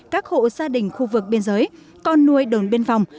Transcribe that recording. các hộ gia đình khu vực biên giới con nuôi đồn biên phòng